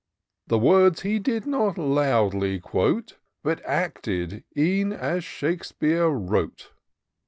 The words he did not loudly quote ; But acted e'en as Shakespeare wrote.